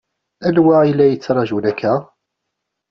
Anwa i la tettṛaǧum akka?